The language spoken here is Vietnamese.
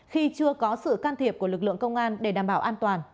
khi chưa có sự can thiệp của lực lượng công an để đảm bảo an toàn